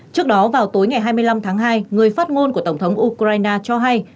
trước đó vào tối ngày hai mươi năm tháng hai người phát ngôn của tổng thống ukraine cho hay